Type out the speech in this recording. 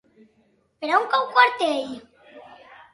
Per on cau Quartell?